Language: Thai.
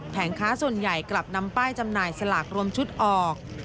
ค้าส่วนใหญ่กลับนำป้ายจำหน่ายสลากรวมชุดออก